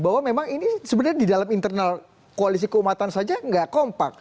bahwa memang ini sebenarnya di dalam internal koalisi keumatan saja nggak kompak